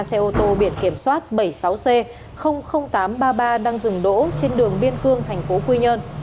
một xe mô tô biển kiểm soát bảy mươi sáu c tám trăm ba mươi ba đang dừng đỗ trên đường biên cương tp quy nhơn